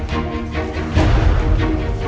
kau dia kenapa mas